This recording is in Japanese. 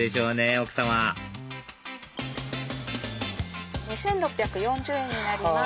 奥さま２６４０円になります。